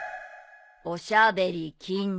「おしゃべりきんし。」